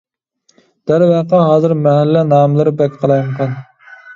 دەرۋەقە، ھازىر مەھەللە ناملىرى بەك قالايمىقان.